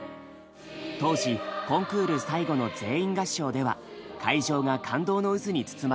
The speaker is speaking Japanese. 当時コンクール最後の全員合唱では会場が感動の渦に包まれました。